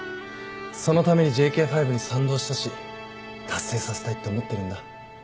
そのためにＪＫ５に賛同したし達成させたいって思ってるんだ。